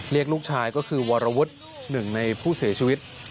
ลูกชายก็คือวรวุฒิหนึ่งในผู้เสียชีวิต